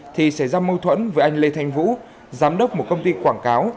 thì xảy ra mâu thuẫn với anh lê thanh vũ giám đốc một công ty quảng cáo